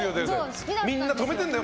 みんな止めてんだよ。